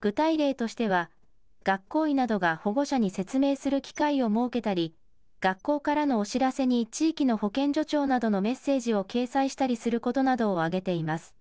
具体例としては、学校医などが保護者に説明する機会を設けたり、学校からのお知らせに地域の保健所長などのメッセージを掲載したりすることなどを挙げています。